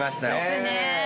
ですね。